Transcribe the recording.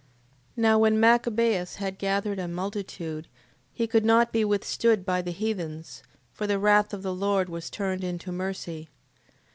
8:5. Now when Machabeus had gathered a multitude, he could not be withstood by the heathens: for the wrath of the Lord was turned into mercy.